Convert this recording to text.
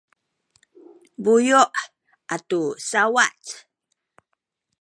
buyu’ atu sauwac